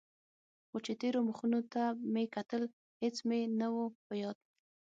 خو چې تېرو مخونو ته مې کتل هېڅ مې نه و په ياد.